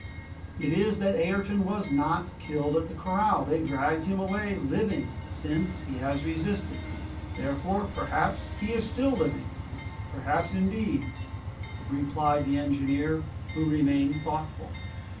"It is that Ayrton was not killed at the corral! That they dragged him away living, since he has resisted. Therefore, perhaps, he is still living!" "Perhaps, indeed," replied the engineer, who remained thoughtful.